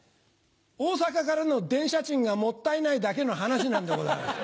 大阪からの電車賃がもったいないだけの話なんでございます。